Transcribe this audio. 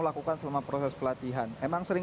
lakukan selama proses pelatihan emang sering